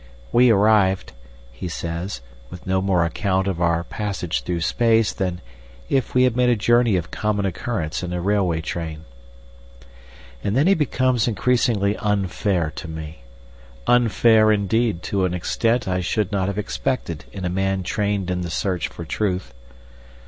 "We arrived," he says, with no more account of our passage through space than if we had made a journey of common occurrence in a railway train. And then he becomes increasingly unfair to me. Unfair, indeed, to an extent I should not have expected in a man trained in the search for truth.